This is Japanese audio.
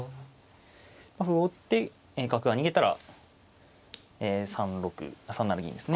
歩を打って角が逃げたら３七銀ですね。